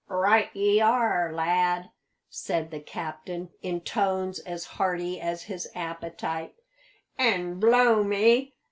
"Right ye are, lad," said the captain in tones as hearty as his appetite; "an', blow me!